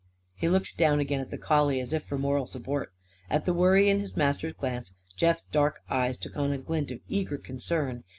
He looked down again at the collie as if for moral support. At the worry in his master's glance, Jeff's dark eyes took on a glint of eager concern.